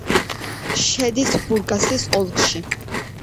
შედის ბურგასის ოლქში.